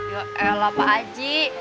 yaelah pak haji